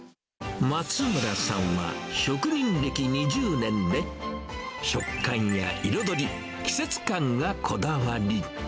松村さんは、職人歴２０年で、食感や彩り、季節感がこだわり。